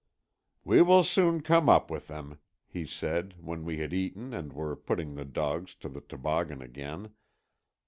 "We will soon come up with them," he said, when we had eaten and were putting the dogs to the toboggan again.